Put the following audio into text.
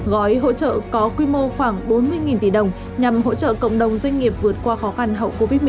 gói hỗ trợ có quy mô khoảng bốn mươi tỷ đồng nhằm hỗ trợ cộng đồng doanh nghiệp vượt qua khó khăn hậu covid một mươi chín